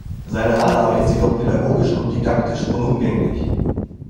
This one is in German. Seine Annahme ist jedoch pädagogisch und didaktisch unumgänglich.